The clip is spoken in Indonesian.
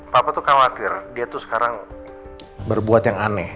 papa tuh khawatir dia tuh sekarang berbuat yang aneh